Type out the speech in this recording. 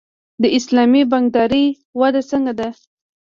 د اسلامي بانکدارۍ وده څنګه ده؟